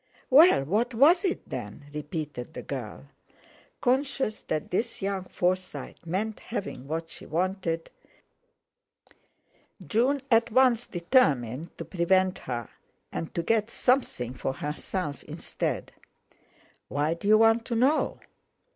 "Well, what was it then?" repeated the girl: Conscious that this young Forsyte meant having what she wanted, June at once determined to prevent her, and to get something for herself instead. "Why do you want to know?"